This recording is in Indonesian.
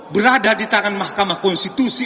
berada di tangan mahkamah konstitusi